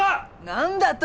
何だと？